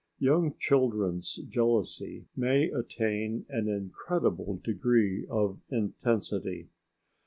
Young children's jealousy may attain an incredible degree of intensity.